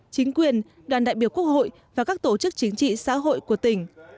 chính quyền đoàn đại biểu quốc hội và các tổ chức chính trị xã hội của tỉnh